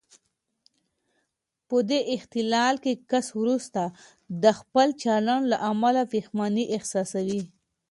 په دې اختلال کې کس وروسته د خپل چلن له امله پښېماني احساسوي.